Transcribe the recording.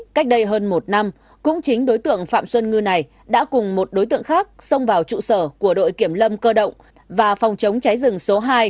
cách đây hơn một năm cũng chính đối tượng phạm xuân ngư này đã cùng một đối tượng khác xông vào trụ sở của đội kiểm lâm cơ động và phòng chống cháy rừng số hai